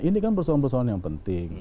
ini kan persoalan persoalan yang penting